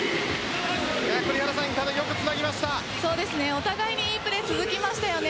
お互いに良いプレー続きましたよね。